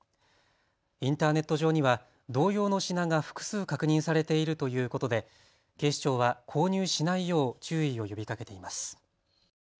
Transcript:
インターネット上には同様の品が複数確認されているということで警視庁は購入しないよう注意を呼びかけています。